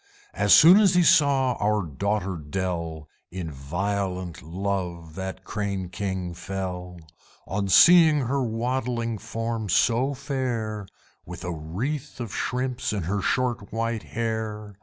As soon as he saw our Daughter Dell, In violent love that Crane King fell, On seeing her waddling form so fair, With a wreath of shrimps in her short white hair.